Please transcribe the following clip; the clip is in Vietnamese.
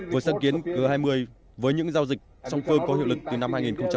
với sáng kiến g hai mươi với những giao dịch song phương có hiệu lực từ năm hai nghìn một mươi sáu